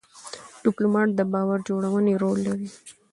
ډيپلومات د باور جوړونې رول لري.